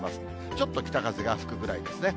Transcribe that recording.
ちょっと北風が吹くくらいですね。